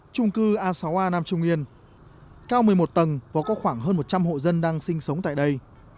trung cư a sáu a nam trung yên cao một mươi một tầng và có khoảng hơn một trăm linh hộ dân đang sinh sống tại đây